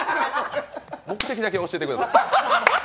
目的だけ教えてください。